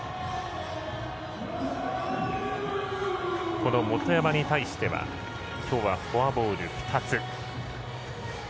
この元山に対してはきょうはフォアボール２つ。